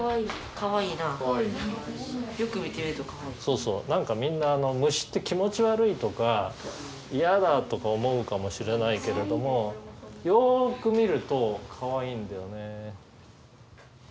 そうそう何かみんな虫って気持ち悪いとか嫌だとか思うかもしれないけれどもよく見るとかわいいんだよね。